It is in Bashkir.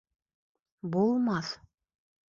Булмаҫ...